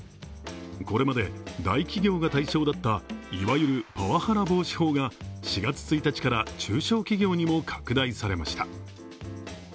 これまで大企業が対象だったいわゆるパワハラ防止法が４月１日から中小企業にも拡大されました。